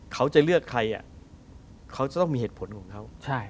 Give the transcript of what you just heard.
เขาจะเลือกใครเขาจะต้องมีเหตุผลของเขา